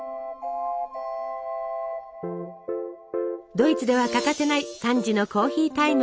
ドイツでは欠かせない３時のコーヒータイム。